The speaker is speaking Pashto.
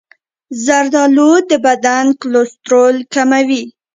زردآلو د بدن کلسترول کموي.